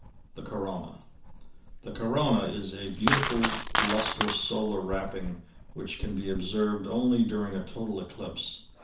The Corona. — The corona is a beautiful lustrous solar wrapping, which can be observed only during a total eclipse.